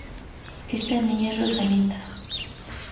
Esta niña es Rosalinda.